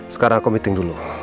sekarang aku meeting dulu